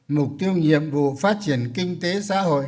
mục tiêu nhiệm vụ phát triển kinh tế xã hội